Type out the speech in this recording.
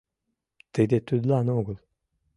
Тиде тудлан огыл.